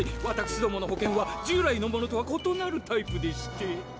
私どもの保険は従来のものとは異なるタイプでして。